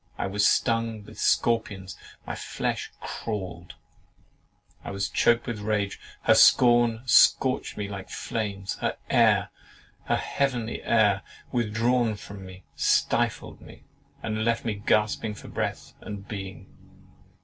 I was stung with scorpions; my flesh crawled; I was choked with rage; her scorn scorched me like flames; her air (her heavenly air) withdrawn from me, stifled me, and left me gasping for breath and being.